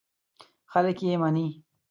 خلک یې مني.